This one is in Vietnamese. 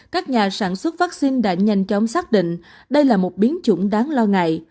các nhà sản xuất vaccine đã nhanh chóng xác định đây là một biến chủng đáng lo ngại